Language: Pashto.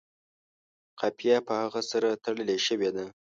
قافیه په هغه سره تړلې شوې ده.